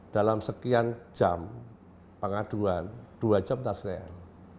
dalam sekian jam pengaduan dua jam tak selesai